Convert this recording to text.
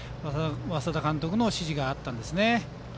稙田監督の指示があったんですね。